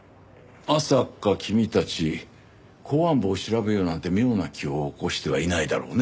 まさか君たち公安部を調べようなんて妙な気を起こしてはいないだろうね？